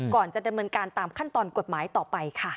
ก่อนจะดำเนินการตามขั้นตอนกฎหมายต่อไปค่ะ